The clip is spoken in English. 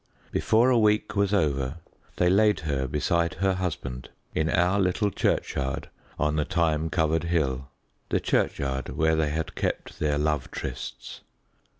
Before a week was over they laid her beside her husband in our little churchyard on the thyme covered hill the churchyard where they had kept their love trysts.